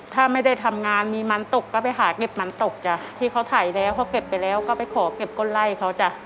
ถ้าไม่ได้ทำงานมีมันตกก็ไปหาเก็บมันตกจ้ะที่เขาถ่ายแล้วเขาเก็บไปแล้วก็ไปขอเก็บก้นไล่เขาจ้ะ